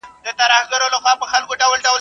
پر زړه لښکري نه کېږي.